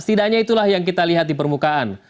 setidaknya itulah yang kita lihat di permukaan